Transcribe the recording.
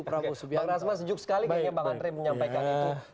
pak rasman sejuk sekali kayaknya pak andrei menyampaikan itu